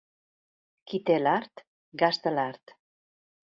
Qui té l'art, gasta l'art.